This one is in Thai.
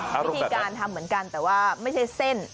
วิธีการทำเหมือนกันแต่ว่าไม่ใช่เส้น